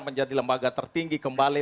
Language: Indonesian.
menjadi lembaga tertinggi kembali